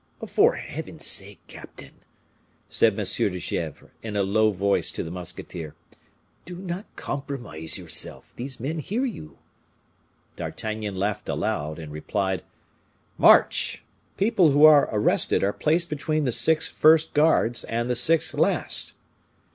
"For Heaven's sake, captain," said M. de Gesvres, in a low voice to the musketeer, "do not compromise yourself! these men hear you." D'Artagnan laughed aloud, and replied: "March! People who are arrested are placed between the six first guards and the six last."